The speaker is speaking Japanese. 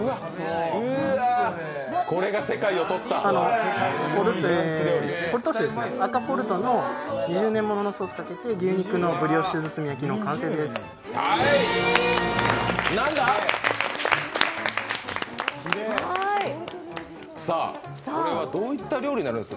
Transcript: うーわ、これが世界をとった赤ポルトの２０年もののソースをかけて牛フィレ肉のブリオッシュ包み焼きの完成です。